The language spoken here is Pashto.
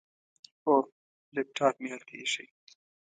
هو، لیپټاپ مې هلته ایښی.